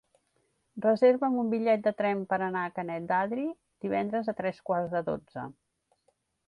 Reserva'm un bitllet de tren per anar a Canet d'Adri divendres a tres quarts de dotze.